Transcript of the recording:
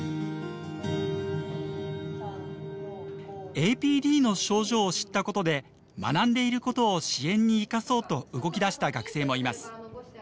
ＡＰＤの症状を知ったことで学んでいることを支援に生かそうと動きだした学生もいます。